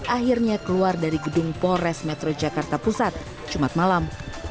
akhirnya keluar dari gedung polres metro jakarta pusat jumat malam